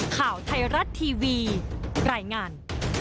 ข่าวไทยรัฐทีวีรายงาน